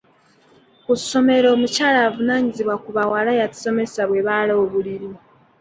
Ku ssomero omukyala avunaanyizibwa ku bawala yatusomesa bwe baala obuliri.